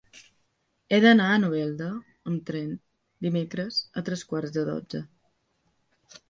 He d'anar a Novelda amb tren dimecres a tres quarts de dotze.